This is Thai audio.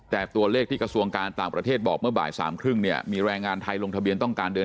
แต่ตัวเลขที่กระทรวงการต่างประเทศบอกเมื่อบ่ายสามครึ่งเนี่ย